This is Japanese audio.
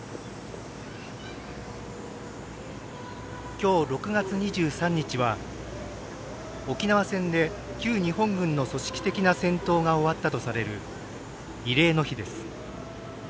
今日６月２３日は沖縄戦で旧日本軍の組織的な戦闘が終わったとされる慰霊の日です。